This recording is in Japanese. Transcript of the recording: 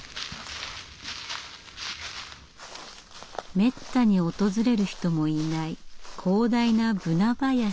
めったに訪れる人もいない広大なブナ林です。